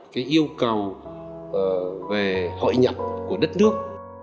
cái yêu cầu về hội nhập của đất nước